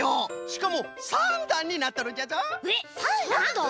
しかも３だんになっとるんじゃぞ。